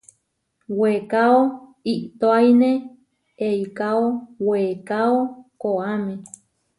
Weekáo iʼtoáine eikáo weekáo koʼáme.